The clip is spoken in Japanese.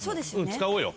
使おうよ。